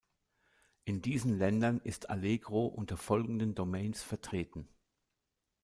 In diesen Ländern ist Allegro unter folgenden Domains vertreten.